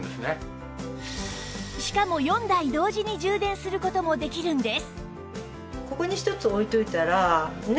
しかも４台同時に充電する事もできるんです